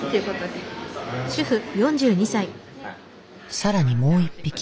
更にもう一匹。